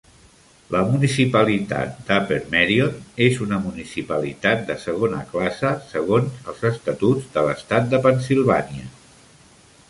La municipalitat d'Upper Merion és una municipalitat de segona classe segons els estatuts de l'estat de Pennsilvània.